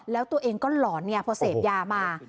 แล้วตัวเองก็หลอนพอเสพยามา